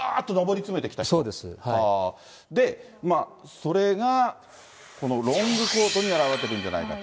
それがこのロングコートに表れてるんじゃないかと。